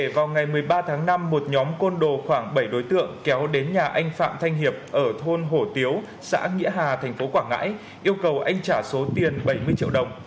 vào ngày một mươi ba tháng năm một nhóm côn đồ khoảng bảy đối tượng kéo đến nhà anh phạm thanh hiệp ở thôn hổ tiếu xã nghĩa hà thành phố quảng ngãi yêu cầu anh trả số tiền bảy mươi triệu đồng